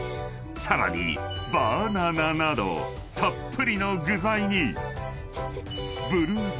［さらにバナナなどたっぷりの具材に］